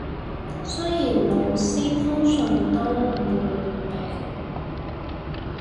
雖然老師通常都唔會唔俾